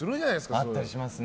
あったりしますね。